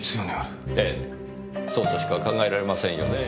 ええそうとしか考えられませんよねぇ。